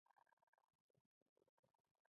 د الله نوم سره د زړه ارام ترلاسه کېږي.